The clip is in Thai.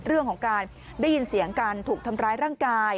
เรื่องของการได้ยินเสียงการถูกทำร้ายร่างกาย